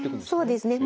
そうですね。